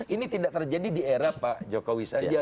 ini tidak terjadi di era pak jokowi saja